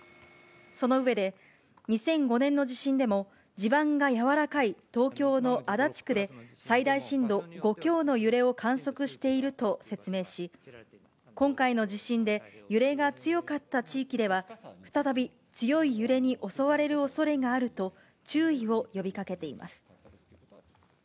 その上で、２００５年の地震でも、地盤が軟らかい東京の足立区で、最大震度５強の揺れを観測していると説明し、今回の地震で、揺れが強かった地域では、再び強い揺れに襲われるおそれがあると、注意を呼びかけています。